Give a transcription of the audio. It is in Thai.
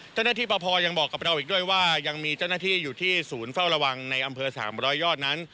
เจ้าหน้าที่ปภยังบอกกับเราอีกด้วยว่ายังมีเจ้าหน้าที่อยู่ที่ศูนย์เฝ้าระวังในอำเภอ๓๐๐ยอดนั้น